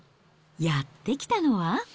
やって来たのは。